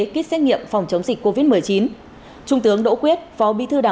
kết xét nghiệm phòng chống dịch covid một mươi chín